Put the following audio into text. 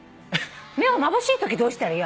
目をまぶしいときどうしたらいい？